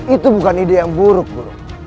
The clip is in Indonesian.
itu bukan ide yang buruk dulu